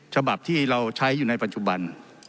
ฉบับที่เราใช้อยู่ในปัจจุบัน